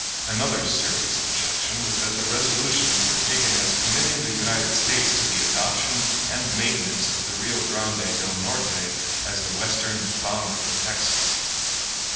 Another serious objection was that the resolutions were taken as committing the United States to the adoption and maintenance of the Rio Grande del Norte as the western boundary of Texas.